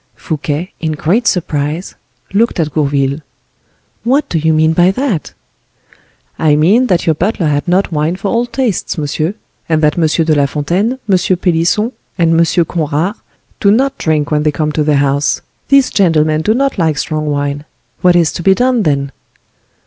Fouquet, in great surprise, looked at Gourville. "What do you mean by that?" "I mean that your butler had not wine for all tastes, monsieur; and that M. de la Fontaine, M. Pelisson, and M. Conrart, do not drink when they come to the house—these gentlemen do not like strong wine. What is to be done, then?"